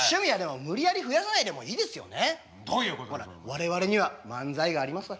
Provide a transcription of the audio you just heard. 我々には漫才がありますわ。